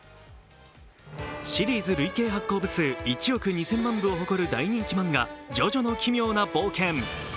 シリーズ累計１億２０００万部を誇る大人気漫画「ジョジョの奇妙な冒険」。